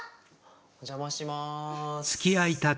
お邪魔します。